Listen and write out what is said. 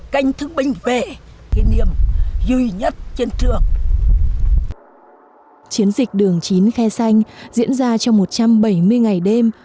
chiến dịch đường chín khe xanh diễn ra trong một trăm bảy mươi ngày đêm